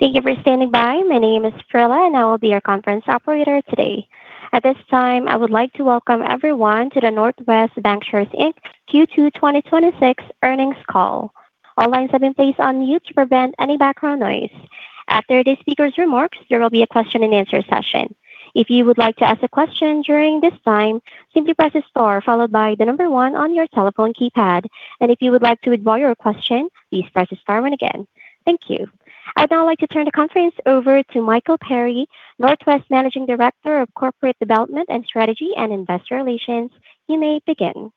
Thank you for standing by. My name is Frilla, and I will be your conference operator today. At this time, I would like to welcome everyone to the Northwest Bancshares Inc. Q2 2026 earnings call. All lines have been placed on mute to prevent any background noise. After the speakers' remarks, there will be a question-and-answer session. If you would like to ask a question during this time, simply press star followed by the number one on your telephone keypad. If you would like to withdraw your question, please press star one again. Thank you. I'd now like to turn the conference over to Michael Perry, Northwest Managing Director of Corporate Development and Strategy and Investor Relations. You may begin.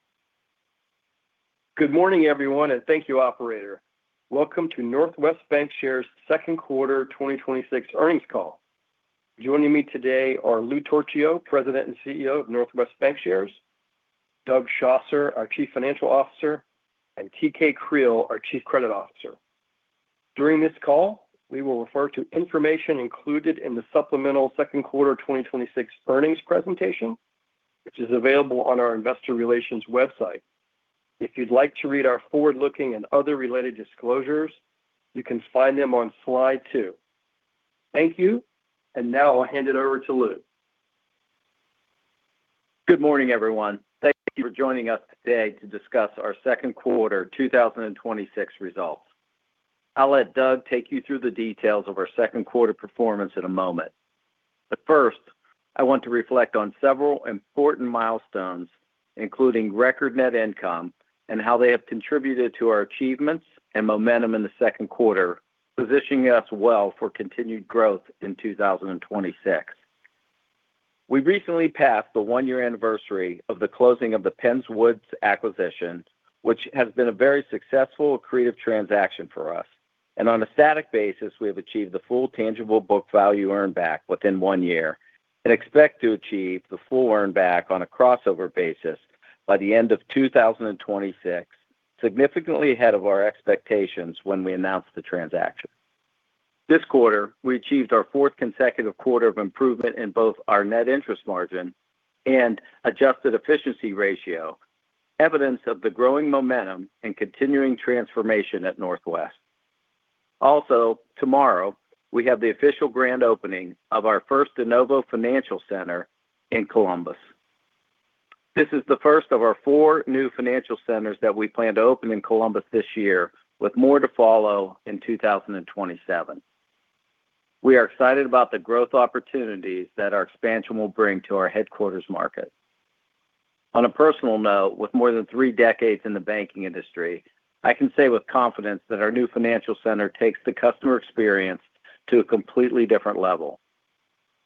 Good morning, everyone, and thank you, operator. Welcome to Northwest Bancshares' second quarter 2026 earnings call. Joining me today are Lou Torchio, President and CEO of Northwest Bancshares, Doug Schosser, our Chief Financial Officer, and T.K. Creal, our Chief Credit Officer. During this call, we will refer to information included in the supplemental second quarter 2026 earnings presentation, which is available on our investor relations website. If you'd like to read our forward-looking and other related disclosures, you can find them on slide two. Thank you. Now I'll hand it over to Lou. Good morning, everyone. Thank you for joining us today to discuss our second quarter 2026 results. I'll let Doug take you through the details of our second quarter performance in a moment. First, I want to reflect on several important milestones, including record net income and how they have contributed to our achievements and momentum in the second quarter, positioning us well for continued growth in 2026. We recently passed the one-year anniversary of the closing of the Penns Woods acquisition, which has been a very successful accretive transaction for us. On a static basis, we have achieved the full tangible book value earn back within one year and expect to achieve the full earn back on a crossover basis by the end of 2026, significantly ahead of our expectations when we announced the transaction. This quarter, we achieved our fourth consecutive quarter of improvement in both our net interest margin and adjusted efficiency ratio, evidence of the growing momentum and continuing transformation at Northwest. Also, tomorrow, we have the official grand opening of our first de novo financial center in Columbus. This is the first of our four new financial centers that we plan to open in Columbus this year, with more to follow in 2027. We are excited about the growth opportunities that our expansion will bring to our headquarters market. On a personal note, with more than three decades in the banking industry, I can say with confidence that our new financial center takes the customer experience to a completely different level.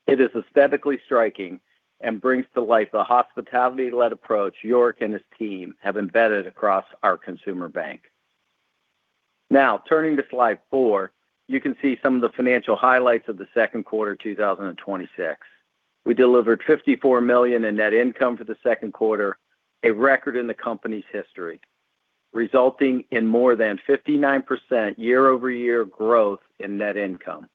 It is aesthetically striking and brings to life the hospitality-led approach York and his team have embedded across our consumer bank. Turning to slide four, you can see some of the financial highlights of the second quarter 2026. We delivered $54 million in net income for the second quarter, a record in the company's history, resulting in more than 59% year-over-year growth in net income.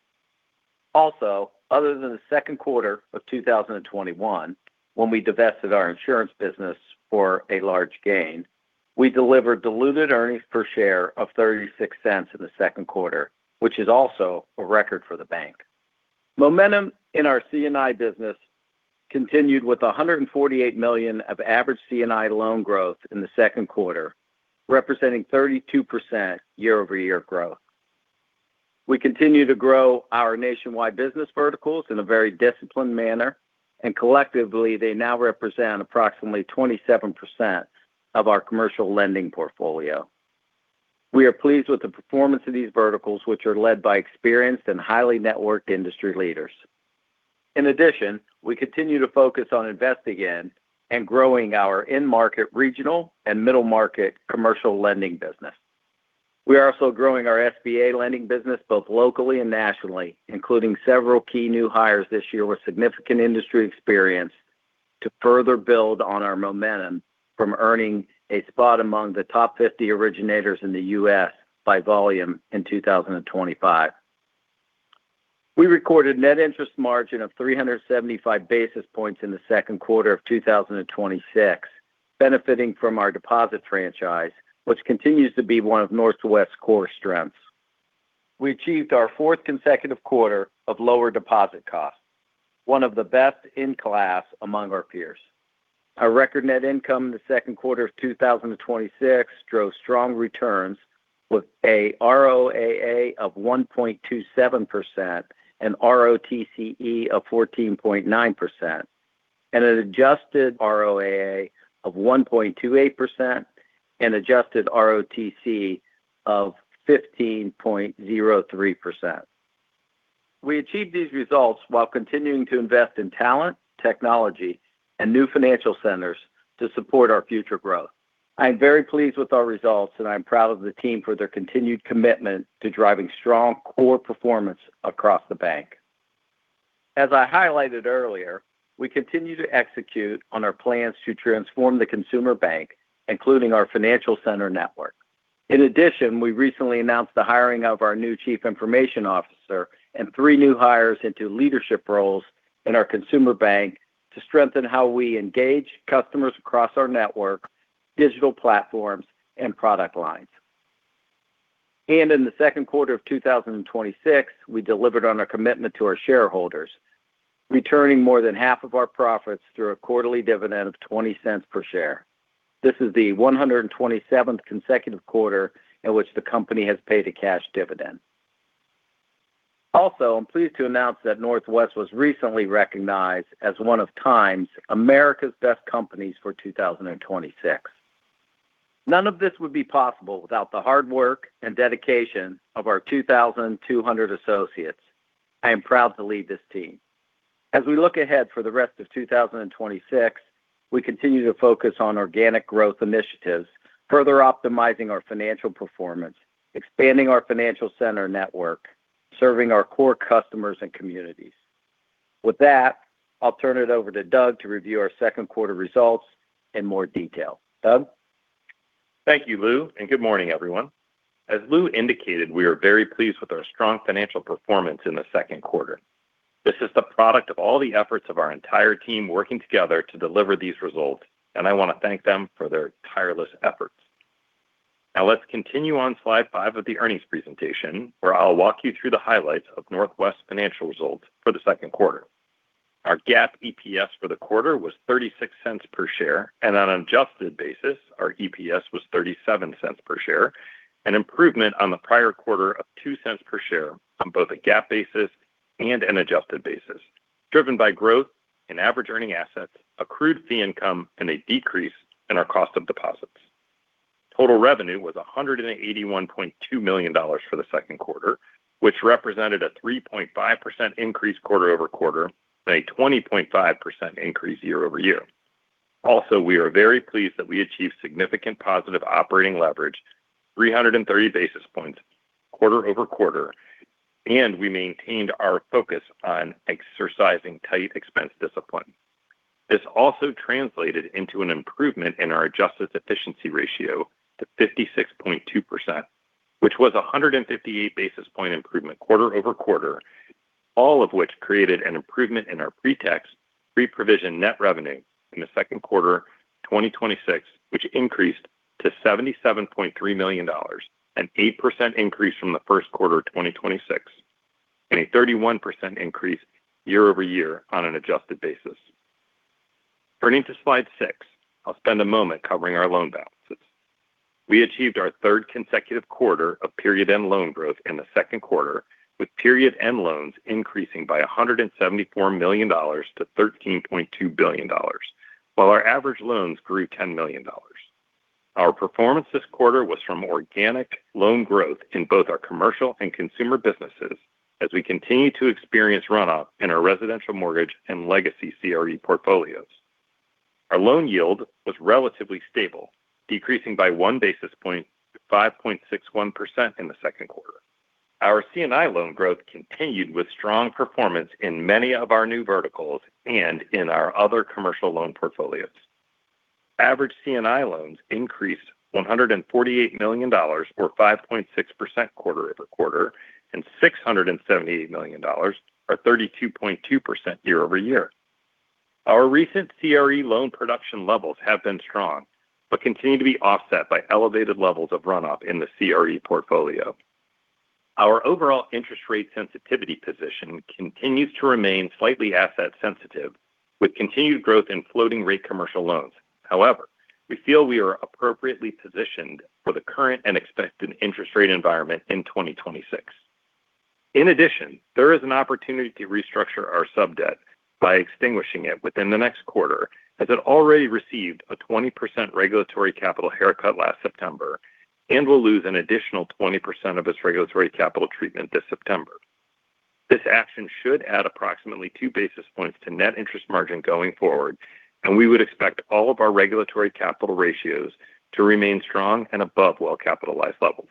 Other than the second quarter of 2021, when we divested our insurance business for a large gain, we delivered diluted earnings per share of $0.36 in the second quarter, which is also a record for the bank. Momentum in our C&I business continued with $148 million of average C&I loan growth in the second quarter, representing 32% year-over-year growth. We continue to grow our nationwide business verticals in a very disciplined manner, and collectively, they now represent approximately 27% of our commercial lending portfolio. We are pleased with the performance of these verticals, which are led by experienced and highly networked industry leaders. We continue to focus on investing in and growing our in-market regional and middle-market commercial lending business. We are also growing our SBA lending business both locally and nationally, including several key new hires this year with significant industry experience to further build on our momentum from earning a spot among the top 50 originators in the U.S. by volume in 2025. We recorded net interest margin of 375 basis points in the second quarter of 2026, benefiting from our deposit franchise, which continues to be one of Northwest's core strengths. We achieved our fourth consecutive quarter of lower deposit costs, one of the best in class among our peers. Our record net income in the second quarter of 2026 drove strong returns with a ROAA of 1.27% and ROTCE of 14.9%, and an adjusted ROAA of 1.28% and adjusted ROTCE of 15.03%. We achieved these results while continuing to invest in talent, technology, and new financial centers to support our future growth. I am very pleased with our results, and I am proud of the team for their continued commitment to driving strong core performance across the bank. As I highlighted earlier, we continue to execute on our plans to transform the consumer bank, including our financial center network. We recently announced the hiring of our new chief information officer and three new hires into leadership roles in our consumer bank to strengthen how we engage customers across our network digital platforms, and product lines. In the second quarter of 2026, we delivered on our commitment to our shareholders, returning more than half of our profits through a quarterly dividend of $0.20 per share. This is the 127th consecutive quarter in which the company has paid a cash dividend. I'm pleased to announce that Northwest was recently recognized as one of TIME's America's Best Companies for 2026. None of this would be possible without the hard work and dedication of our 2,200 associates. I am proud to lead this team. As we look ahead for the rest of 2026, we continue to focus on organic growth initiatives, further optimizing our financial performance, expanding our financial center network, serving our core customers and communities. With that, I'll turn it over to Doug to review our second quarter results in more detail. Doug? Thank you, Lou, and good morning, everyone. As Lou indicated, we are very pleased with our strong financial performance in the second quarter. This is the product of all the efforts of our entire team working together to deliver these results, and I want to thank them for their tireless efforts. Let's continue on slide five of the earnings presentation, where I'll walk you through the highlights of Northwest financial results for the second quarter. Our GAAP EPS for the quarter was $0.36 per share, and on an adjusted basis, our EPS was $0.37 per share, an improvement on the prior quarter of $0.02 per share on both a GAAP basis and an adjusted basis, driven by growth in average earning assets, accrued fee income, and a decrease in our cost of deposits. Total revenue was $181.2 million for the second quarter, which represented a 3.5% increase quarter-over-quarter and a 20.5% increase year-over-year. We are very pleased that we achieved significant positive operating leverage 330 basis points quarter-over-quarter, and we maintained our focus on exercising tight expense discipline. This also translated into an improvement in our adjusted efficiency ratio to 56.2%, which was 158 basis point improvement quarter-over-quarter, all of which created an improvement in our pre-tax, pre-provision net revenue in the second quarter 2026, which increased to $77.3 million, an 8% increase from the first quarter 2026, and a 31% increase year-over-year on an adjusted basis. Turning to slide six, I'll spend a moment covering our loan balances. We achieved our third consecutive quarter of period-end loan growth in the second quarter, with period-end loans increasing by $174 million to $13.2 billion, while our average loans grew $10 million. Our performance this quarter was from organic loan growth in both our commercial and consumer businesses as we continue to experience runoff in our residential mortgage and legacy CRE portfolios. Our loan yield was relatively stable, decreasing by one basis point to 5.61% in the second quarter. Our C&I loan growth continued with strong performance in many of our new verticals and in our other commercial loan portfolios. Average C&I loans increased $148 million or 5.6% quarter-over-quarter and $678 million or 32.2% year-over-year. Our recent CRE loan production levels have been strong but continue to be offset by elevated levels of runoff in the CRE portfolio. Our overall interest rate sensitivity position continues to remain slightly asset sensitive with continued growth in floating rate commercial loans. However, we feel we are appropriately positioned for the current and expected interest rate environment in 2026. In addition, there is an opportunity to restructure our sub-debt by extinguishing it within the next quarter, as it already received a 20% regulatory capital haircut last September and will lose an additional 20% of its regulatory capital treatment this September. This action should add approximately two basis points to net interest margin going forward. We would expect all of our regulatory capital ratios to remain strong and above well-capitalized levels.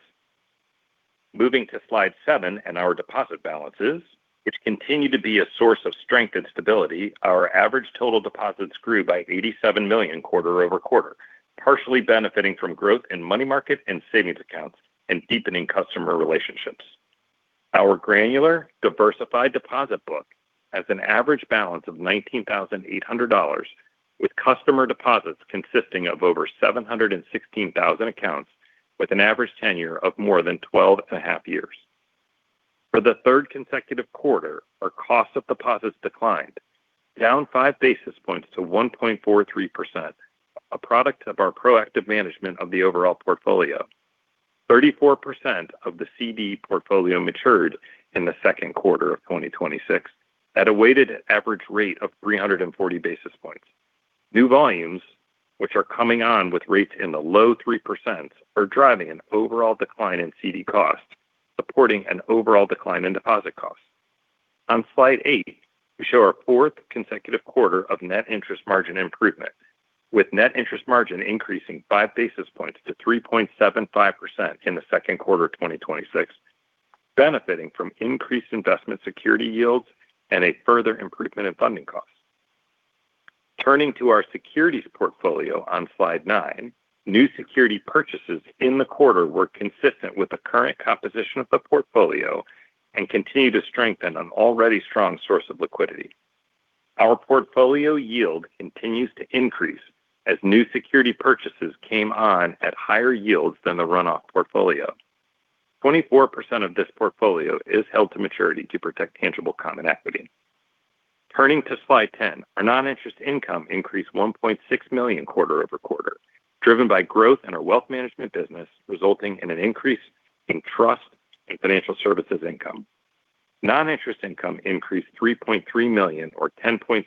Moving to slide seven and our deposit balances, which continue to be a source of strength and stability, our average total deposits grew by $87 million quarter-over-quarter, partially benefiting from growth in money market and savings accounts and deepening customer relationships. Our granular, diversified deposit book has an average balance of $19,800, with customer deposits consisting of over 716,000 accounts with an average tenure of more than 12.5 years. For the third consecutive quarter, our cost of deposits declined, down five basis points to 1.43%, a product of our proactive management of the overall portfolio. 34% of the CD portfolio matured in the second quarter of 2026 at a weighted average rate of 340 basis points. New volumes, which are coming on with rates in the low 3%, are driving an overall decline in CD costs, supporting an overall decline in deposit costs. On slide eight, we show our fourth consecutive quarter of net interest margin improvement, with net interest margin increasing five basis points to 3.75% in the second quarter of 2026. Benefiting from increased investment security yields and a further improvement in funding costs. Turning to our securities portfolio on slide nine, new security purchases in the quarter were consistent with the current composition of the portfolio and continue to strengthen an already strong source of liquidity. Our portfolio yield continues to increase as new security purchases came on at higher yields than the runoff portfolio. 24% of this portfolio is held to maturity to protect tangible common equity. Turning to slide 10, our non-interest income increased $1.6 million quarter-over-quarter, driven by growth in our wealth management business, resulting in an increase in trust and financial services income. Non-interest income increased $3.3 million or 10.6%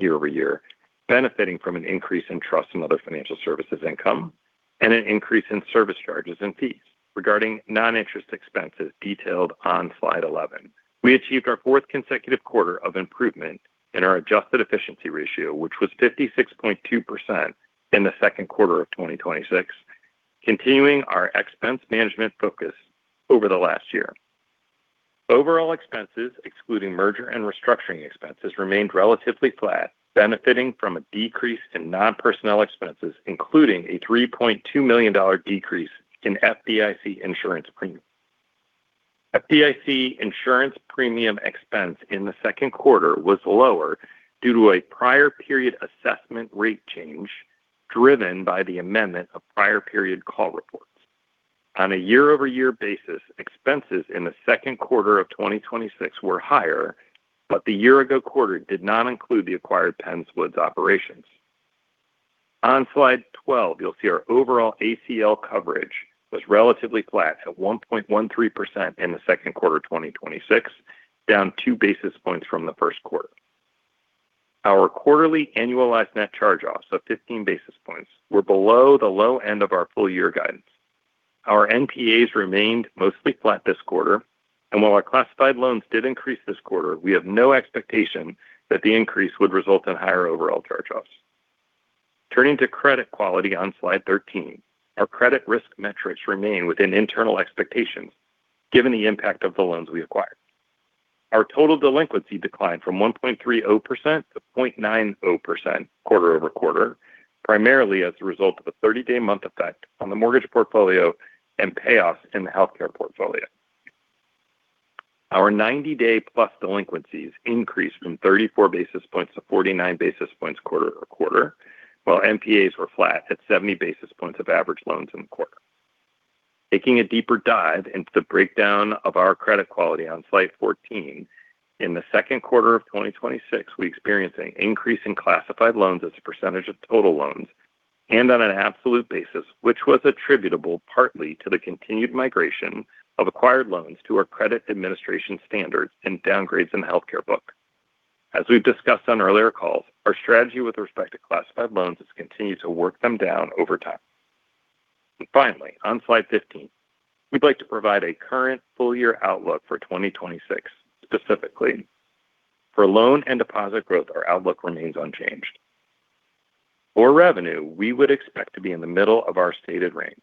year-over-year, benefiting from an increase in trust and other financial services income, and an increase in service charges and fees. Regarding non-interest expenses detailed on Slide 11, we achieved our fourth consecutive quarter of improvement in our adjusted efficiency ratio, which was 56.2% in the second quarter of 2026. Continuing our expense management focus over the last year. Overall expenses, excluding merger and restructuring expenses, remained relatively flat, benefiting from a decrease in non-personnel expenses, including a $3.2 million decrease in FDIC insurance premium. FDIC insurance premium expense in the second quarter was lower due to a prior period assessment rate change driven by the amendment of prior period call reports. On a year-over-year basis, expenses in the second quarter of 2026 were higher, the year ago quarter did not include the acquired Penns Woods operations. On slide 12, you'll see our overall ACL coverage was relatively flat at 1.13% in the second quarter 2026, down two basis points from the first quarter. Our quarterly annualized net charge-offs of 15 basis points were below the low end of our full year guidance. Our NPAs remained mostly flat this quarter, and while our classified loans did increase this quarter, we have no expectation that the increase would result in higher overall charge-offs. Turning to credit quality on Slide 13, our credit risk metrics remain within internal expectations given the impact of the loans we acquired. Our total delinquency declined from 1.30%-0.90% quarter-over-quarter, primarily as a result of a 30-day month effect on the mortgage portfolio and payoffs in the healthcare portfolio. Our 90+ day delinquencies increased from 34 basis points to 49 basis points quarter-over-quarter, while NPAs were flat at 70 basis points of average loans in the quarter. Taking a deeper dive into the breakdown of our credit quality on Slide 14, in the second quarter of 2026. We experienced an increase in classified loans as a percentage of total loans and on an absolute basis, which was attributable partly to the continued migration of acquired loans to our credit administration standards and downgrades in the healthcare book. As we've discussed on earlier calls, our strategy with respect to classified loans is to continue to work them down over time. Finally, on Slide 15, we'd like to provide a current full year outlook for 2026, specifically. For loan and deposit growth, our outlook remains unchanged. For revenue, we would expect to be in the middle of our stated range.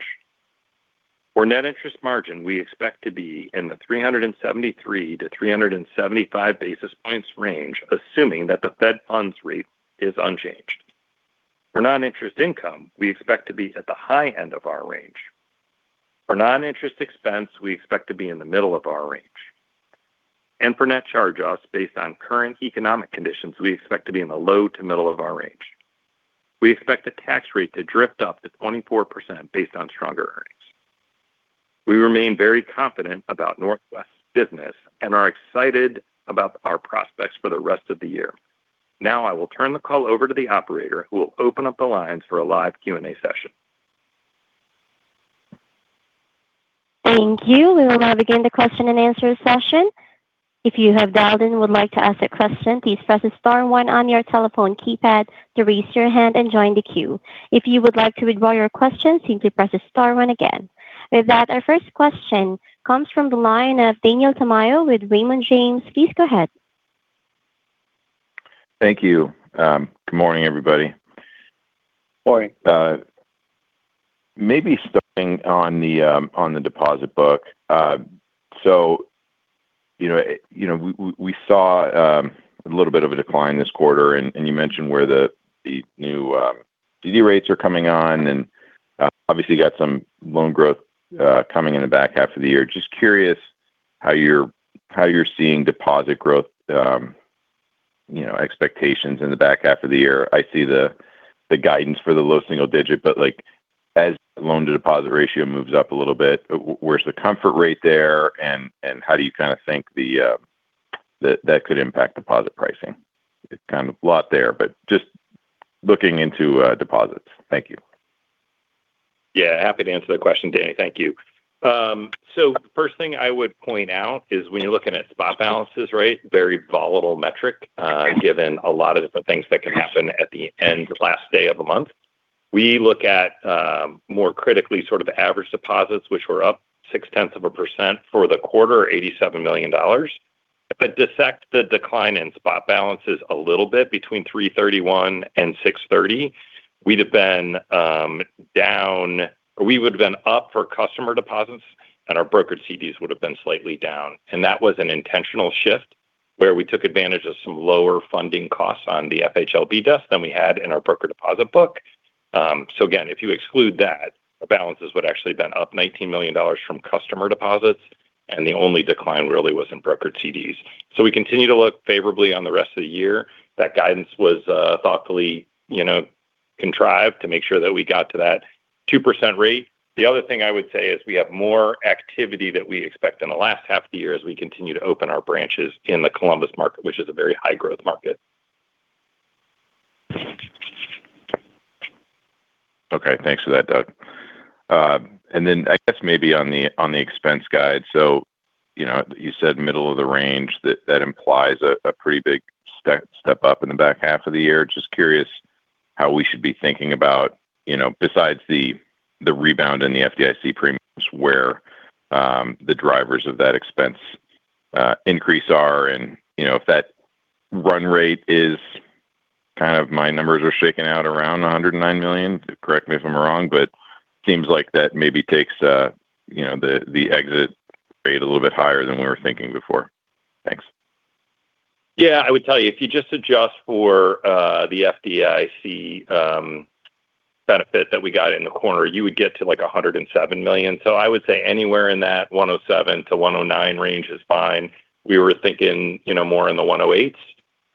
For net interest margin, we expect to be in the 373-375 basis points range, assuming that the Fed funds rate is unchanged. For non-interest income, we expect to be at the high end of our range. For non-interest expense, we expect to be in the middle of our range. For net charge-offs based on current economic conditions, we expect to be in the low to middle of our range. We expect the tax rate to drift up to 24% based on stronger earnings. We remain very confident about Northwest's business and are excited about our prospects for the rest of the year. Now I will turn the call over to the operator who will open up the lines for a live Q&A session. Thank you. We will now begin the question-and-answer session. If you have dialed in and would like to ask a question, please press star one on your telephone keypad to raise your hand and join the queue. If you would like to withdraw your question, simply press star one again. With that, our first question comes from the line of Daniel Tamayo with Raymond James. Please go ahead. Thank you. Good morning, everybody. Morning. Maybe starting on the deposit book. We saw a little bit of a decline this quarter, and you mentioned where the new DD rates are coming on and obviously you got some loan growth coming in the back half of the year. Just curious how you're seeing deposit growth expectations in the back half of the year. I see the guidance for the low single digit, the loan to deposit ratio moves up a little bit, where's the comfort rate there and how do you think that could impact deposit pricing? It's a lot there, just looking into deposits. Thank you. Yeah. Happy to answer that question, Danny. Thank you. The first thing I would point out is when you're looking at spot balances, very volatile metric given a lot of different things that can happen at the end of last day of the month. We look at more critically average deposits, which were up 0.6% for the quarter, $87 million. If I dissect the decline in spot balances a little bit between March 31st and June 30th, we'd have been up for customer deposits and our brokered CDs would have been slightly down. That was an intentional shift where we took advantage of some lower funding costs on the FHLB desk than we had in our broker deposit book. Again, if you exclude that, our balance is what actually been up $19 million from customer deposits, and the only decline really was in brokered CDs. We continue to look favorably on the rest of the year. That guidance was thoughtfully contrived to make sure that we got to that 2% rate. The other thing I would say is we have more activity that we expect in the last half of the year as we continue to open our branches in the Columbus market, which is a very high growth market. Okay. Thanks for that, Doug. I guess maybe on the expense guide, so you said middle of the range, that implies a pretty big step up in the back half of the year. Just curious how we should be thinking about, besides the rebound in the FDIC premiums, where the drivers of that expense increase are, and if that run rate is, my numbers are shaking out around $109 million. Correct me if I'm wrong, seems like that maybe takes the exit rate a little bit higher than we were thinking before. Thanks. I would tell you, if you just adjust for the FDIC benefit that we got in the quarter, you would get to $107 million. I would say anywhere in that $107-$109 range is fine. We were thinking more in the $108s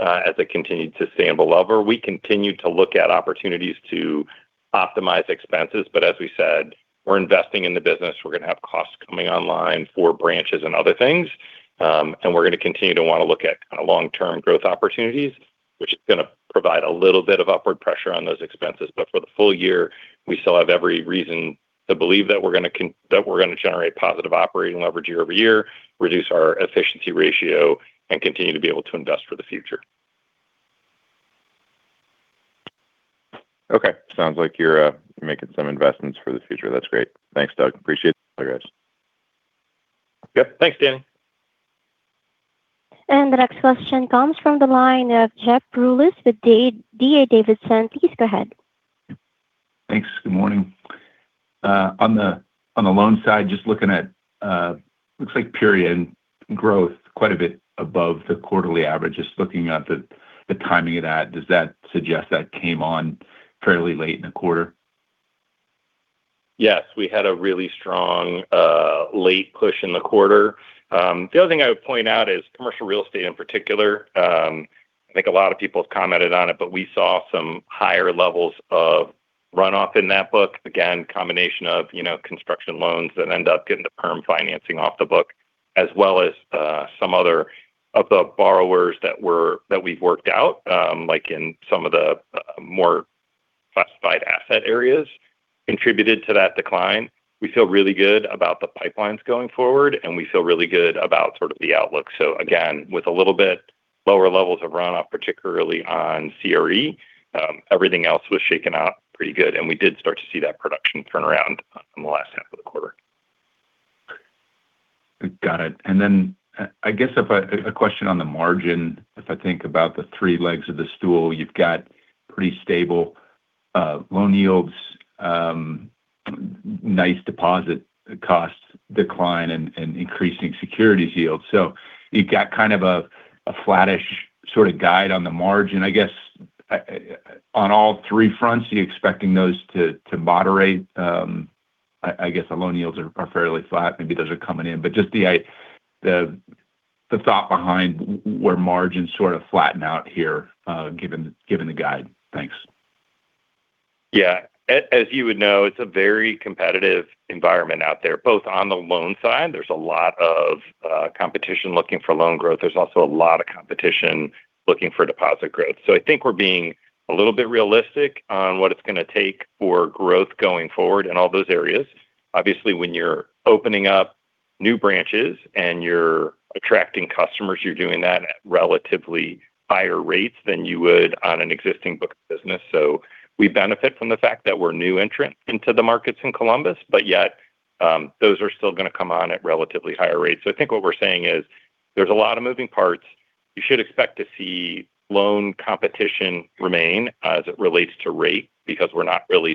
as it continued to stay in below or. We continued to look at opportunities to optimize expenses, but as we said, we're investing in the business. We're going to have costs coming online for branches and other things. We're going to continue to want to look at long-term growth opportunities, which is going to provide a little bit of upward pressure on those expenses. For the full year, we still have every reason to believe that we're going to generate positive operating leverage year-over-year, reduce our efficiency ratio, and continue to be able to invest for the future. Sounds like you're making some investments for the future. That's great. Thanks, Doug. Appreciate it. Guys. Thanks, Danny. The next question comes from the line of Jeff Rulis with D.A. Davidson. Please go ahead. Thanks. Good morning. On the loans side, just looking at, looks like period growth quite a bit above the quarterly average. Just looking at the timing of that, does that suggest that came on fairly late in the quarter? Yes, we had a really strong late push in the quarter. The other thing I would point out is commercial real estate in particular. I think a lot of people have commented on it, but we saw some higher levels of runoff in that book. Again, combination of construction loans that end up getting the perm financing off the book, as well as some other of the borrowers that we've worked out, like in some of the more classified asset areas contributed to that decline. We feel really good about the pipelines going forward, and we feel really good about the outlook. Again, with a little bit lower levels of runoff, particularly on CRE, everything else was shaken out pretty good. We did start to see that production turn around in the last half of the quarter. Got it. Then I guess a question on the margin. If I think about the three legs of the stool, you've got pretty stable loan yields, nice deposit costs decline, and increasing securities yields. You've got kind of a flattish sort of guide on the margin, I guess, on all three fronts. Are you expecting those to moderate? I guess the loan yields are fairly flat. Maybe those are coming in. Just the thought behind where margins sort of flatten out here, given the guide. Thanks. Yeah. As you would know, it's a very competitive environment out there, both on the loan side. There's a lot of competition looking for loan growth. There's also a lot of competition looking for deposit growth. I think we're being a little bit realistic on what it's going to take for growth going forward in all those areas. Obviously, when you're opening up new branches and you're attracting customers, you're doing that at relatively higher rates than you would on an existing book of business. I think what we're saying is there's a lot of moving parts. You should expect to see loan competition remain as it relates to rate because we're not really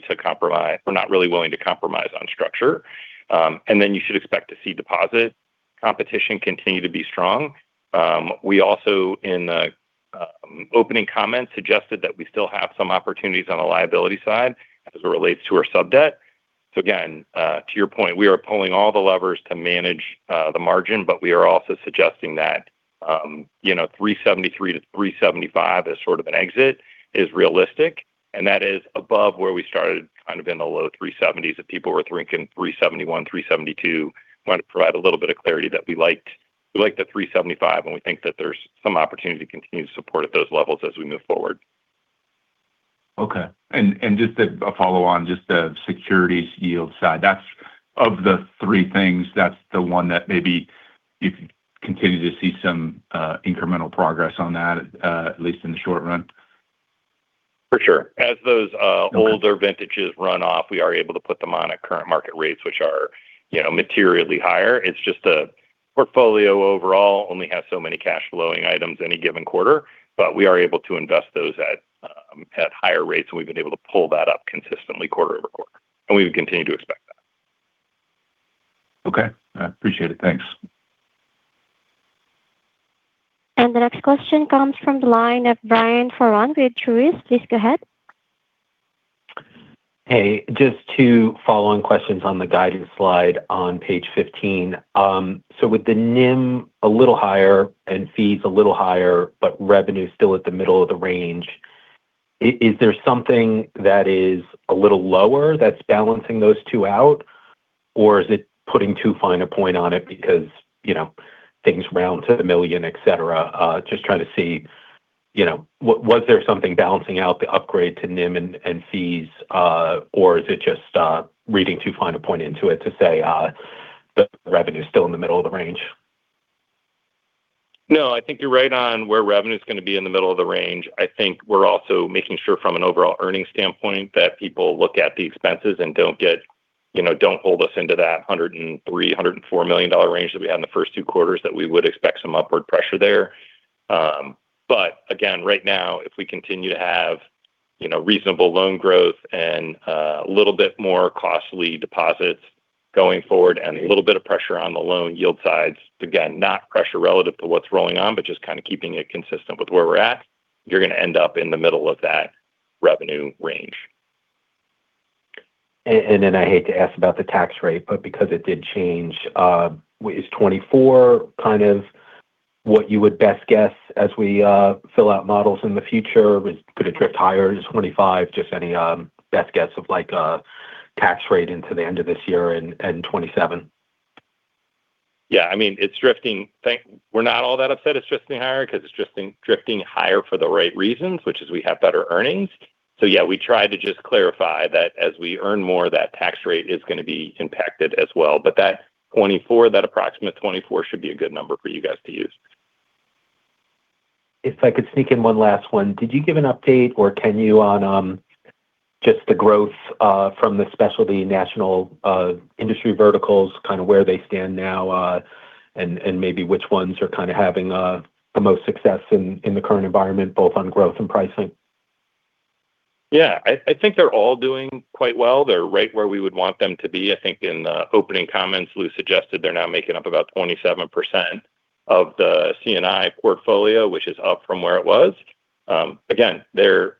willing to compromise on structure. You should expect to see deposit competition continue to be strong. We also, in the opening comments, suggested that we still have some opportunities on the liability side as it relates to our sub-debt. Again, to your point, we are pulling all the levers to manage the margin, but we are also suggesting that 3.73%-3.75% as sort of an exit is realistic, and that is above where we started, kind of in the low 3.70s%. If people were thinking 3.71%, 3.72%, wanted to provide a little bit of clarity that we liked the 3.75%, and we think that there's some opportunity to continue to support at those levels as we move forward. Okay. Just a follow on just the securities yield side. Of the three things, that's the one that maybe you could continue to see some incremental progress on that, at least in the short run? For sure. Okay. Older vintages run off, we are able to put them on at current market rates, which are materially higher. It's just a portfolio overall only has so many cash flowing items any given quarter. We are able to invest those at higher rates, and we've been able to pull that up consistently quarter-over-quarter. We would continue to expect that. Okay. I appreciate it. Thanks. The next question comes from the line of Brian Foran with Truist. Please go ahead. Hey, just two follow-on questions on the guidance slide on page 15. With the NIM a little higher and fees a little higher, but revenue still at the middle of the range, is there something that is a little lower that's balancing those two out? Is it putting too fine a point on it because things round to the million, etc? Just trying to see, was there something balancing out the upgrade to NIM and fees, or is it just reading too fine a point into it to say that the revenue's still in the middle of the range? No, I think you're right on where revenue's going to be in the middle of the range. I think we're also making sure from an overall earnings standpoint that people look at the expenses and don't hold us into that $103, $104 million range that we had in the first two quarters, that we would expect some upward pressure there. Again, right now, if we continue to have reasonable loan growth and a little bit more costly deposits going forward and a little bit of pressure on the loan yield sides, again, not pressure relative to what's rolling on, but just kind of keeping it consistent with where we're at, you're going to end up in the middle of that revenue range. I hate to ask about the tax rate, but because it did change, is 24 kind of what you would best guess as we fill out models in the future? Could it drift higher to 25? Just any best guess of a tax rate into the end of this year and 2027? We're not all that upset it's drifting higher because it's drifting higher for the right reasons, which is we have better earnings. We try to just clarify that as we earn more, that tax rate is going to be impacted as well. That approximate 24 should be a good number for you guys to use. If I could sneak in one last one. Did you give an update, or can you, on just the growth from the specialty national industry verticals, kind of where they stand now, and maybe which ones are kind of having the most success in the current environment, both on growth and pricing? I think they're all doing quite well. They're right where we would want them to be. I think in the opening comments, Lou suggested they're now making up about 27% of the C&I portfolio, which is up from where it was. Again, they're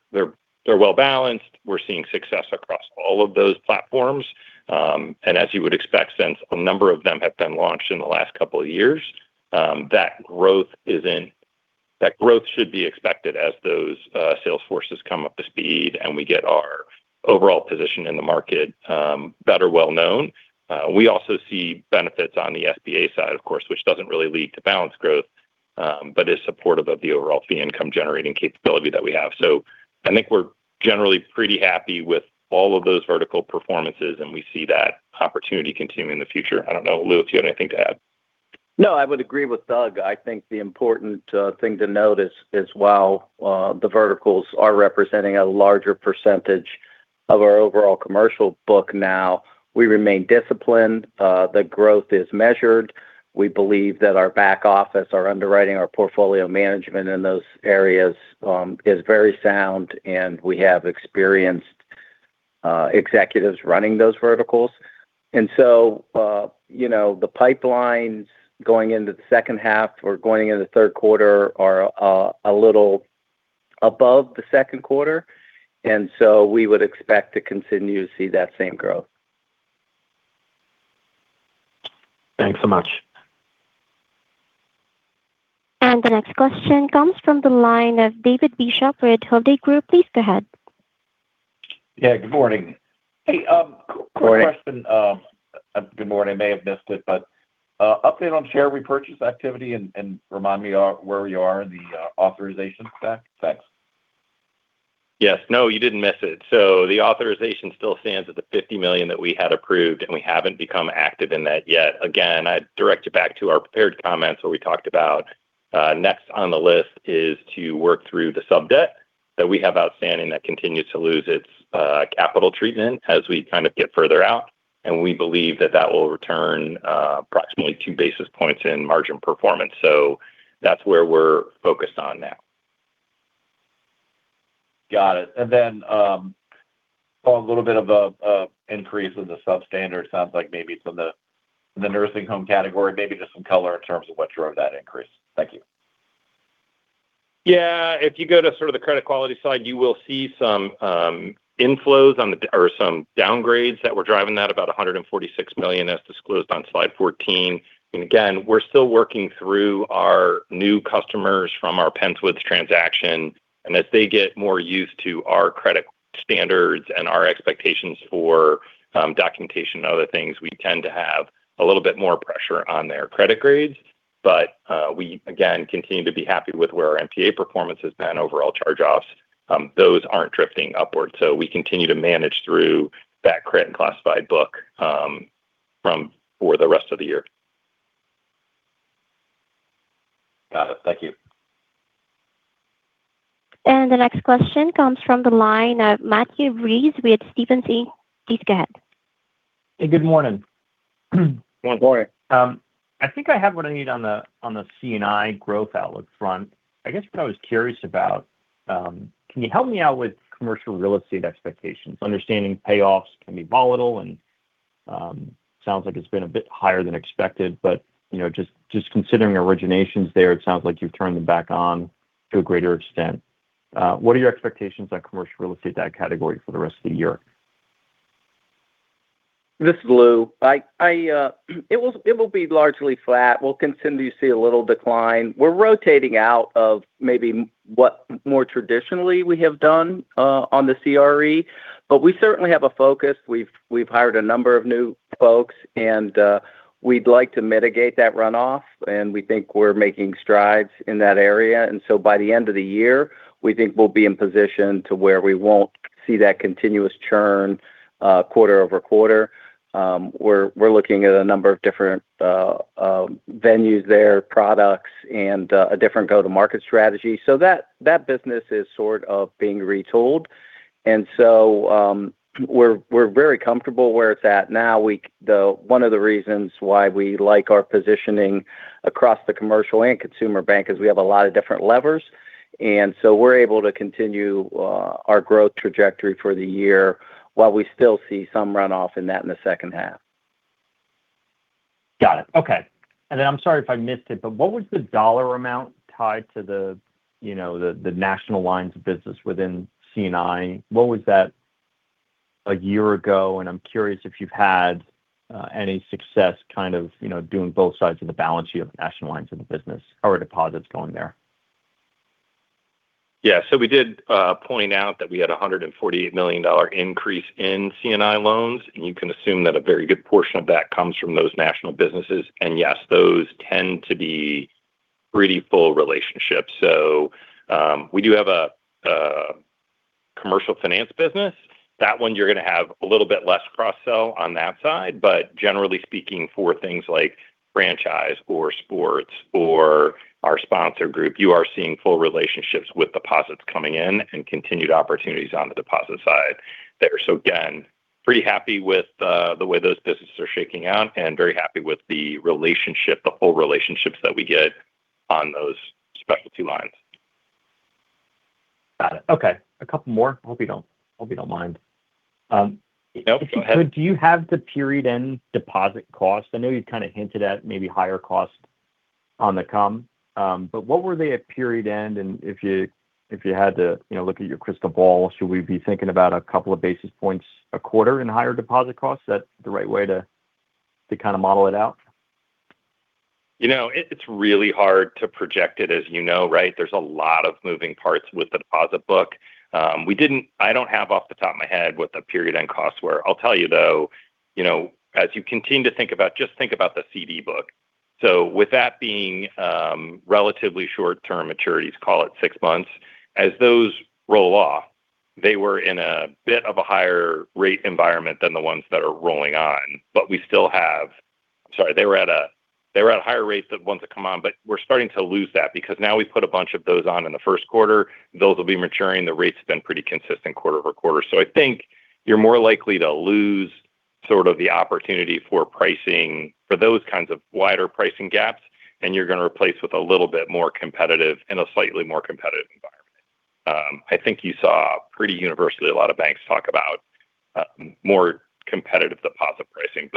well-balanced. We're seeing success across all of those platforms. As you would expect, since a number of them have been launched in the last couple of years, that growth should be expected as those sales forces come up to speed and we get our overall position in the market better well-known. We also see benefits on the SBA side, of course, which doesn't really lead to balance growth, but is supportive of the overall fee income-generating capability that we have. I think we're generally pretty happy with all of those vertical performances, and we see that opportunity continuing in the future. I don't know, Lou, if you had anything to add. No, I would agree with Doug. I think the important thing to note is while the verticals are representing a larger percentage of our overall commercial book now, we remain disciplined. The growth is measured. We believe that our back office, our underwriting, our portfolio management in those areas is very sound, and we have experienced executives running those verticals. The pipelines going into the second half or going into the third quarter are a little above the second quarter. We would expect to continue to see that same growth. Thanks so much. The next question comes from the line of David Bishop with Hovde Group. Please go ahead. Yeah, good morning. Good morning. Hey, quick question. Good morning. I may have missed it, but update on share repurchase activity, and remind me where we are in the authorization specs. Yes. No, you didn't miss it. The authorization still stands at the $50 million that we had approved, and we haven't become active in that yet. Again, I'd direct you back to our prepared comments where we talked about next on the list is to work through the sub-debt that we have outstanding that continues to lose its capital treatment as we kind of get further out. We believe that that will return approximately two basis points in margin performance. That's where we're focused on now. Got it. Then, saw a little bit of an increase in the substandards. Sounds like maybe it's in the nursing home category. Maybe just some color in terms of what drove that increase. Thank you. Yeah. If you go to sort of the credit quality side, you will see some inflows or some downgrades that were driving that, about $146 million, as disclosed on slide 14. Again, we're still working through our new customers from our Penns Woods transaction. As they get more used to our credit standards and our expectations for documentation and other things, we tend to have a little bit more pressure on their credit grades. We, again, continue to be happy with where our NPA performance has been. Overall charge-offs, those aren't drifting upwards. We continue to manage through that credit and classified book for the rest of the year. Got it. Thank you. The next question comes from the line of Matthew Breese with Stephens Inc. Please go ahead. Hey, good morning. Good morning. I think I have what I need on the C&I growth outlook front. I guess what I was curious about, can you help me out with commercial real estate expectations? Understanding payoffs can be volatile and sounds like it's been a bit higher than expected, but just considering originations there, it sounds like you've turned them back on to a greater extent. What are your expectations on commercial real estate, that category, for the rest of the year? This is Lou. It will be largely flat. We'll continue to see a little decline. We're rotating out of maybe what more traditionally we have done on the CRE, but we certainly have a focus. We've hired a number of new folks, and we'd like to mitigate that runoff, and we think we're making strides in that area. By the end of the year, we think we'll be in position to where we won't see that continuous churn quarter-over-quarter. We're looking at a number of different venues there, products, and a different go-to-market strategy. That business is sort of being retooled. We're very comfortable where it's at now. One of the reasons why we like our positioning across the commercial and consumer bank is we have a lot of different levers. We are able to continue our growth trajectory for the year while we still see some runoff in that in the second half. Got it. Okay. I am sorry if I missed it, what was the dollar amount tied to the national lines of business within C&I? What was that a year ago? I am curious if you have had any success doing both sides of the balance sheet of national lines of the business. How are deposits going there? We did point out that we had $148 million increase in C&I loans, you can assume that a very good portion of that comes from those national businesses. Yes, those tend to be pretty full relationships. We do have a commercial finance business. That one you are going to have a little bit less cross-sell on that side. Generally speaking, for things like franchise or sports or our sponsor group, you are seeing full relationships with deposits coming in and continued opportunities on the deposit side there. Again, pretty happy with the way those businesses are shaking out and very happy with the whole relationships that we get on those specialty lines. Got it. Okay. A couple more. Hope you do not mind. Nope. Go ahead. Do you have the period-end deposit cost? I know you kind of hinted at maybe higher cost on the comm. What were they at period end? If you had to look at your crystal ball, should we be thinking about a couple of basis points a quarter in higher deposit costs? Is that the right way to kind of model it out? It's really hard to project it as you know, right? There's a lot of moving parts with the deposit book. I don't have off the top of my head what the period-end costs were. I'll tell you, though, as you continue to think about, just think about the CD book. With that being relatively short-term maturities, call it six months, as those roll off, they were in a bit of a higher rate environment than the ones that are rolling on. They were at higher rates than ones that come on, but we're starting to lose that because now we've put a bunch of those on in the first quarter. Those will be maturing. The rate's been pretty consistent quarter-over-quarter. I think you're more likely to lose sort of the opportunity for pricing for those kinds of wider pricing gaps than you're going to replace with a little bit more competitive in a slightly more competitive environment. I think you saw pretty universally a lot of banks talk about more competitive deposit pricing.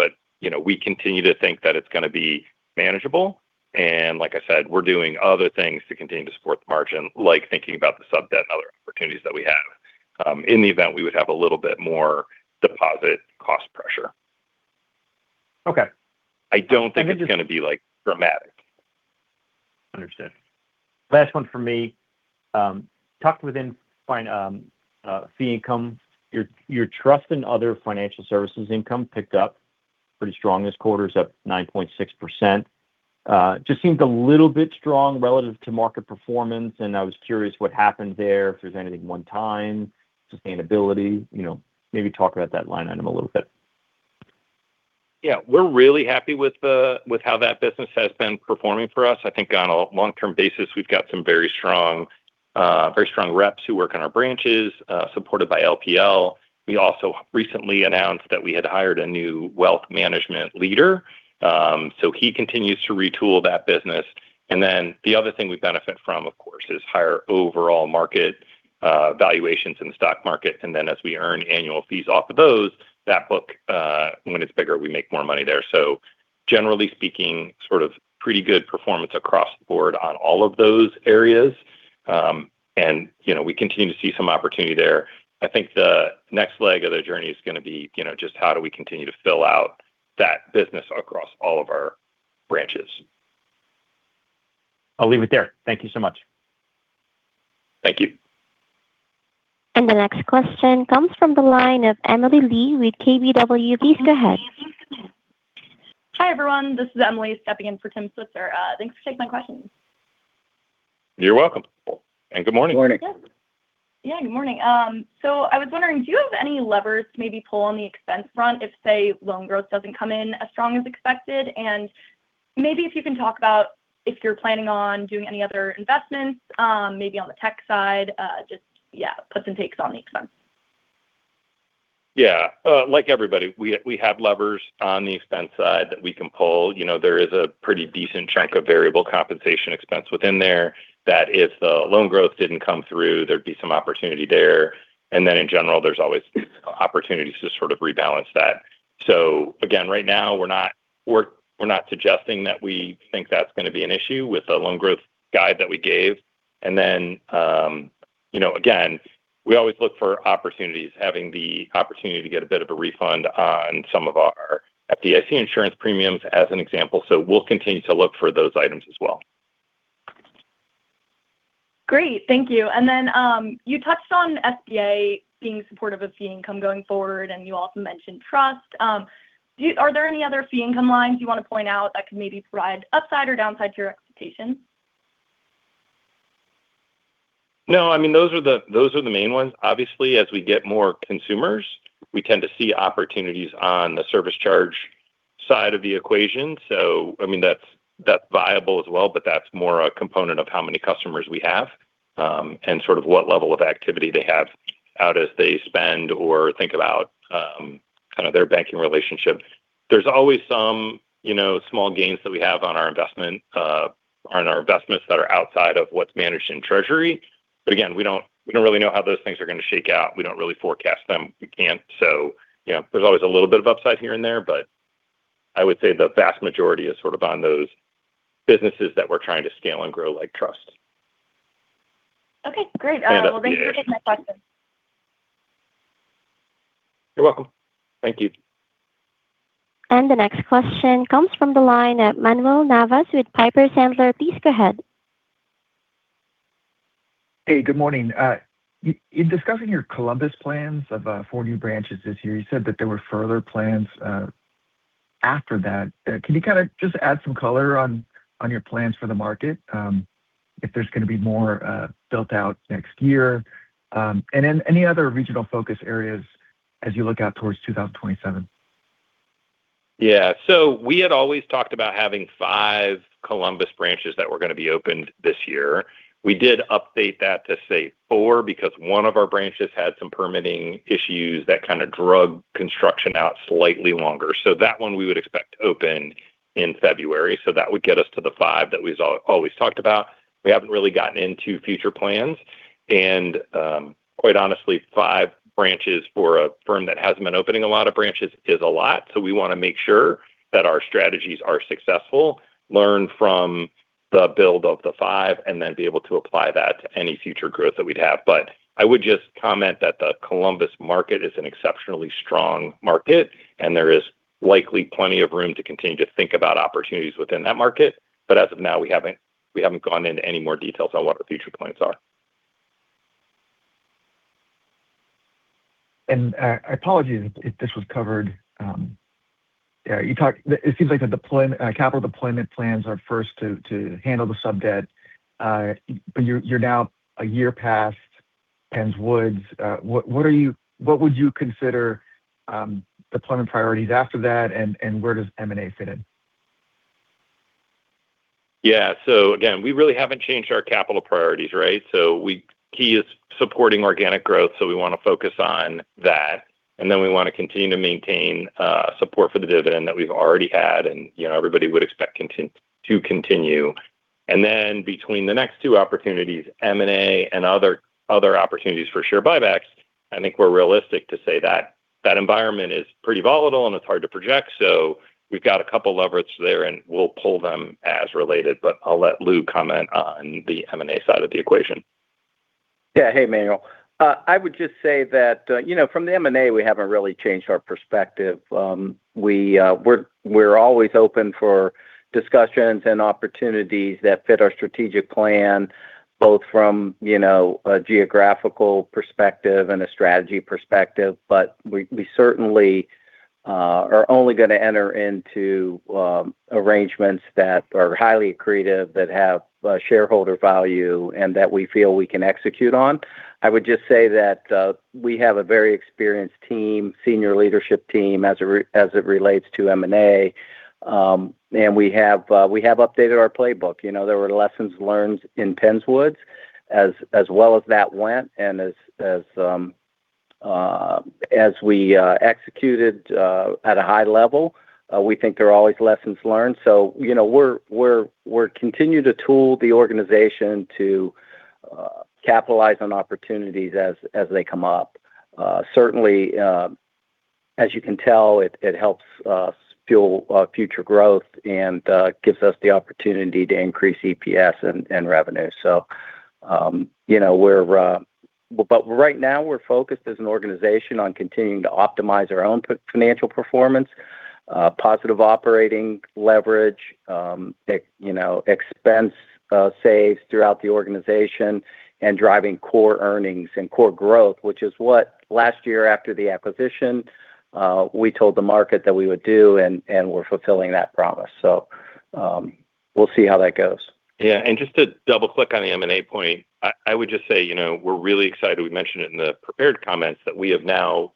We continue to think that it's going to be manageable. Like I said, we're doing other things to continue to support the margin, like thinking about the sub-debt and other opportunities that we have in the event we would have a little bit more deposit cost pressure. Okay. I don't think it's going to be dramatic. Understood. Last one from me. Talked within fee income. Your trust and other financial services income picked up pretty strong this quarter. It's up 9.6%. Just seemed a little bit strong relative to market performance. I was curious what happened there, if there's anything one-time, sustainability. Maybe talk about that line item a little bit. Yeah. We're really happy with how that business has been performing for us. I think on a long-term basis, we've got some very strong reps who work in our branches, supported by LPL. We also recently announced that we had hired a new wealth management leader. He continues to retool that business. The other thing we benefit from, of course, is higher overall market valuations in the stock market. As we earn annual fees off of those, that book, when it's bigger, we make more money there. Generally speaking, sort of pretty good performance across the board on all of those areas. We continue to see some opportunity there. I think the next leg of the journey is going to be just how do we continue to fill out that business across all of our branches. I'll leave it there. Thank you so much. Thank you. The next question comes from the line of Emily Lee with KBW. Please go ahead. Hi, everyone. This is Emily stepping in for Tim Slusser. Thanks for taking my questions. You're welcome. Good morning. Morning. I was wondering, do you have any levers to maybe pull on the expense front if, say, loan growth doesn't come in as strong as expected? Maybe if you can talk about if you're planning on doing any other investments, maybe on the tech side. Just puts and takes on the expense. Like everybody, we have levers on the expense side that we can pull. There is a pretty decent chunk of variable compensation expense within there that if the loan growth didn't come through, there'd be some opportunity there. In general, there's always opportunities to sort of rebalance that. Again, right now we're not suggesting that we think that's going to be an issue with the loan growth guide that we gave. Again, we always look for opportunities, having the opportunity to get a bit of a refund on some of our FDIC insurance premiums, as an example. We'll continue to look for those items as well. Great. Thank you. You touched on SBA being supportive of fee income going forward, and you also mentioned trust. Are there any other fee income lines you want to point out that could maybe provide upside or downside to your expectation? No, those are the main ones. Obviously, as we get more consumers, we tend to see opportunities on the service charge side of the equation. That's viable as well, but that's more a component of how many customers we have, and sort of what level of activity they have out as they spend or think about their banking relationship. There's always some small gains that we have on our investments that are outside of what's managed in treasury. Again, we don't really know how those things are going to shake out. We don't really forecast them. We can't. There's always a little bit of upside here and there, but I would say the vast majority is sort of on those businesses that we're trying to scale and grow, like trust. Okay, great. SBA. Well, thank you for taking my question. You're welcome. Thank you. The next question comes from the line of Manuel Navas with Piper Sandler. Please go ahead. Hey, good morning. In discussing your Columbus plans of four new branches this year, you said that there were further plans after that. Can you kind of just add some color on your plans for the market, if there's going to be more built out next year? Then any other regional focus areas as you look out towards 2027? Yeah. We had always talked about having five Columbus branches that were going to be opened this year. We did update that to say four, because one of our branches had some permitting issues that kind of drug construction out slightly longer. That one we would expect to open in February. That would get us to the five that we've always talked about. We haven't really gotten into future plans. Quite honestly, five branches for a firm that hasn't been opening a lot of branches is a lot. We want to make sure that our strategies are successful, learn from the build of the five, then be able to apply that to any future growth that we'd have. I would just comment that the Columbus market is an exceptionally strong market, and there is likely plenty of room to continue to think about opportunities within that market. As of now, we haven't gone into any more details on what the future plans are. Apologies if this was covered. It seems like the capital deployment plans are first to handle the sub-debt. You're now a year past Penns Woods. What would you consider deployment priorities after that, and where does M&A fit in? Yeah. Again, we really haven't changed our capital priorities, right? Key is supporting organic growth, so we want to focus on that. We want to continue to maintain support for the dividend that we've already had, and everybody would expect to continue. Between the next two opportunities, M&A and other opportunities for share buybacks, I think we're realistic to say that that environment is pretty volatile and it's hard to project. We've got a couple of levers there, and we'll pull them as related. I'll let Lou comment on the M&A side of the equation. Yeah. Hey, Manuel. I would just say that from the M&A, we haven't really changed our perspective. We're always open for discussions and opportunities that fit our strategic plan, both from a geographical perspective and a strategy perspective. We certainly are only going to enter into arrangements that are highly accretive, that have shareholder value, and that we feel we can execute on. I would just say that we have a very experienced team, senior leadership team, as it relates to M&A. We have updated our playbook. There were lessons learned in Penns Woods. As well as that went and as we executed at a high level, we think there are always lessons learned. We'll continue to tool the organization to capitalize on opportunities as they come up. Certainly, as you can tell, it helps us fuel future growth and gives us the opportunity to increase EPS and revenue. Right now we're focused as an organization on continuing to optimize our own financial performance, positive operating leverage, expense saves throughout the organization, and driving core earnings and core growth. Which is what last year after the acquisition, we told the market that we would do, and we're fulfilling that promise. We'll see how that goes. Yeah. Just to double-click on the M&A point, I would just say we're really excited. We mentioned it in the prepared comments that we have now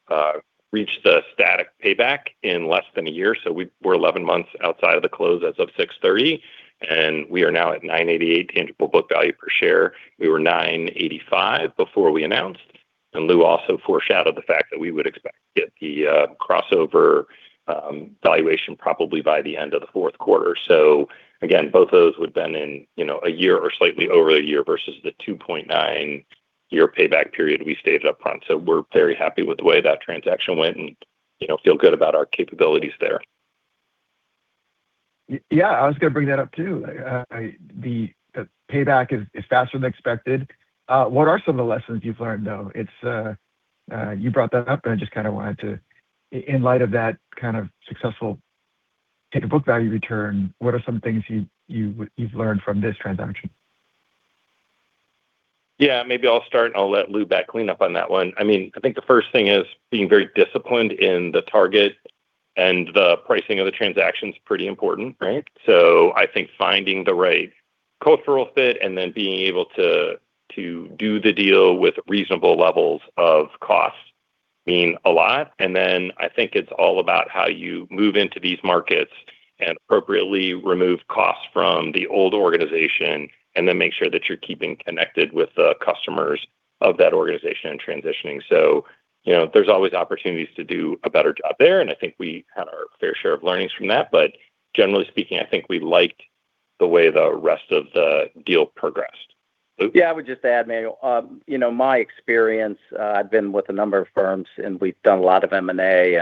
reached the static payback in less than a year. We're 11 months outside of the close as of 6/30, and we are now at $9.88 tangible book value per share. We were $9.85 before we announced. Lou also foreshadowed the fact that we would expect to get the crossover valuation probably by the end of the fourth quarter. Again, both those would've been in a year or slightly over a year versus the 2.9-year payback period we stated up front. We're very happy with the way that transaction went and feel good about our capabilities there. Yeah, I was going to bring that up too. The payback is faster than expected. What are some of the lessons you've learned, though? You brought that up, and I just wanted to, in light of that kind of successful tangible book value return, what are some things you've learned from this transaction? Yeah, maybe I'll start, I'll let Lou clean up on that one. I think the first thing is being very disciplined in the target and the pricing of the transaction's pretty important, right? I think finding the right cultural fit and then being able to do the deal with reasonable levels of costs mean a lot. Then I think it's all about how you move into these markets and appropriately remove costs from the old organization, then make sure that you're keeping connected with the customers of that organization and transitioning. There's always opportunities to do a better job there, and I think we had our fair share of learnings from that. Generally speaking, I think we liked the way the rest of the deal progressed. Lou? Yeah, I would just add, Manuel, my experience, I've been with a number of firms, we've done a lot of M&A,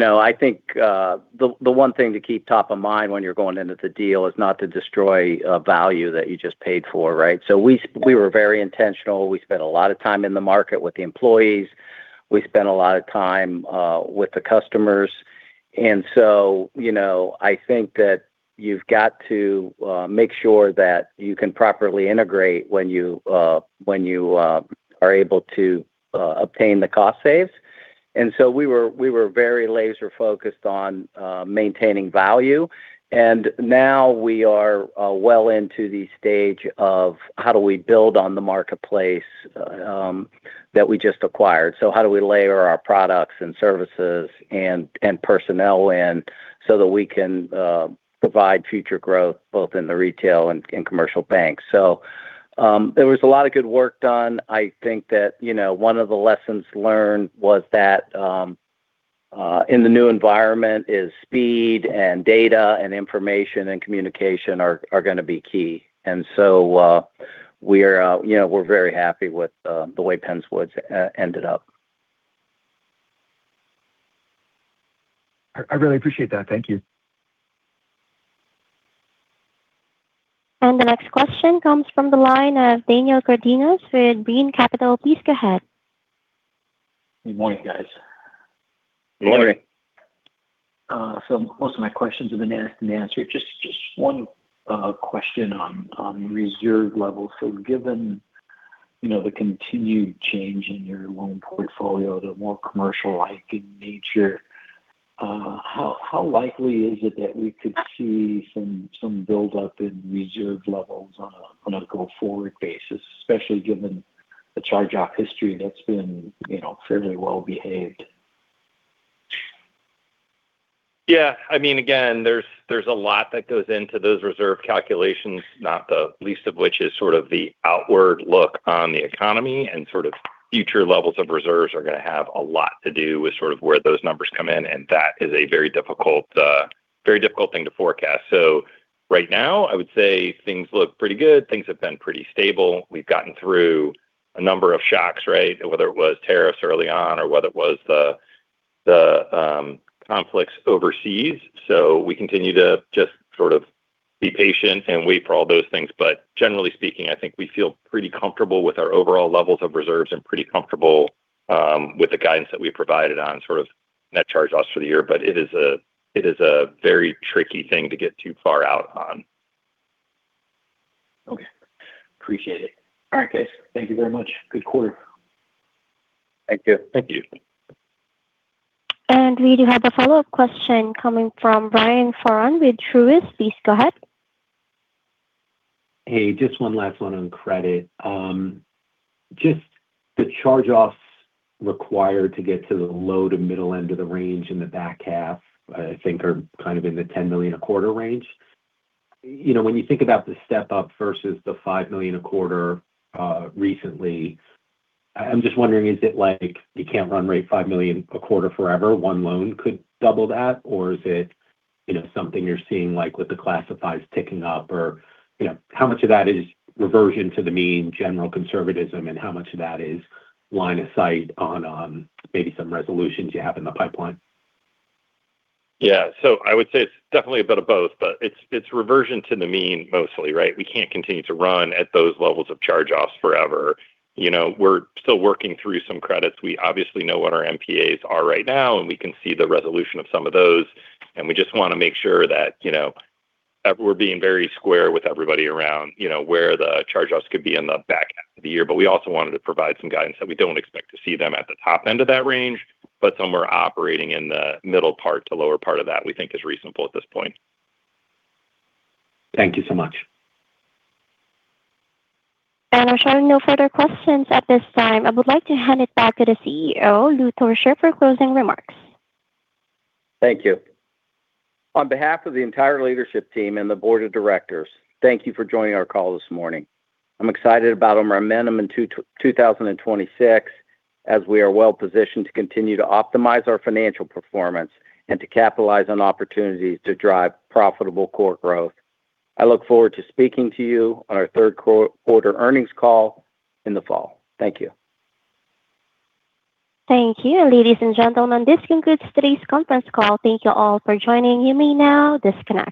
I think, the one thing to keep top of mind when you're going into the deal is not to destroy value that you just paid for, right? We were very intentional. We spent a lot of time in the market with the employees. We spent a lot of time with the customers. I think that you've got to make sure that you can properly integrate when you are able to obtain the cost saves. We were very laser-focused on maintaining value. Now we are well into the stage of how do we build on the marketplace that we just acquired. How do we layer our products and services and personnel in so that we can provide future growth both in the retail and commercial banks. There was a lot of good work done. I think that one of the lessons learned was that in the new environment is speed and data and information and communication are going to be key. We're very happy with the way Penns Woods ended up. I really appreciate that. Thank you. The next question comes from the line of Daniel Cardenas with Brean Capital. Please go ahead. Good morning, guys. Good morning. Good morning. Most of my questions have been asked and answered. Just one question on reserve levels. Given the continued change in your loan portfolio, the more commercial-like in nature, how likely is it that we could see some build up in reserve levels on a go-forward basis, especially given the charge-off history that's been fairly well behaved? Again, there's a lot that goes into those reserve calculations, not the least of which is sort of the outward look on the economy and sort of future levels of reserves are going to have a lot to do with where those numbers come in, and that is a very difficult thing to forecast. Right now, I would say things look pretty good. Things have been pretty stable. We've gotten through a number of shocks, right? Whether it was tariffs early on or whether it was the conflicts overseas. We continue to just sort of be patient and wait for all those things. Generally speaking, I think we feel pretty comfortable with our overall levels of reserves and pretty comfortable with the guidance that we've provided on net charge-offs for the year. It is a very tricky thing to get too far out on. Okay. Appreciate it. Okay. Thank you very much. Good quarter. Thank you. Thank you. We do have a follow-up question coming from Brian Foran with Truist. Please go ahead. Hey, just one last one on credit. Just the charge-offs required to get to the low to middle end of the range in the back half, I think are kind of in the $10 million a quarter range. When you think about the step-up versus the $5 million a quarter recently, I'm just wondering, is it like you can't run rate $5 million a quarter forever, one loan could double that? Or is it something you're seeing like with the classifieds ticking up or how much of that is reversion to the mean general conservatism and how much of that is line of sight on maybe some resolutions you have in the pipeline? Yeah. I would say it's definitely a bit of both, but it's reversion to the mean mostly, right? We can't continue to run at those levels of charge-offs forever. We're still working through some credits. We obviously know what our NPAs are right now, and we can see the resolution of some of those, and we just want to make sure that we're being very square with everybody around where the charge-offs could be in the back end of the year. We also wanted to provide some guidance that we don't expect to see them at the top end of that range, but somewhere operating in the middle part to lower part of that, we think is reasonable at this point. Thank you so much. I'm showing no further questions at this time. I would like to hand it back to the CEO, Lou Torchio, for closing remarks. Thank you. On behalf of the entire leadership team and the board of directors, thank you for joining our call this morning. I'm excited about our momentum in 2026 as we are well-positioned to continue to optimize our financial performance and to capitalize on opportunities to drive profitable core growth. I look forward to speaking to you on our third quarter earnings call in the fall. Thank you. Thank you. Ladies and gentlemen, this concludes today's conference call. Thank you all for joining. You may now disconnect